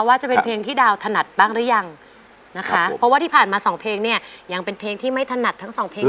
จะเป็นเพลงที่ดาวถนัดบ้างหรือยังนะคะเพราะว่าที่ผ่านมาสองเพลงเนี่ยยังเป็นเพลงที่ไม่ถนัดทั้งสองเพลง